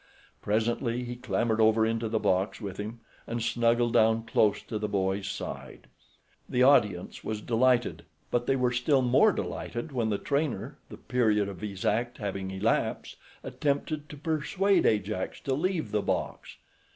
Presently he clambered over into the box with him and snuggled down close to the boy's side. The audience was delighted; but they were still more delighted when the trainer, the period of his act having elapsed, attempted to persuade Ajax to leave the box.